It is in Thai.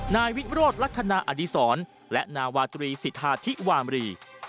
นายวิโรธลักษณะอดีศรและนาวาตรีสิทธาธิวามรี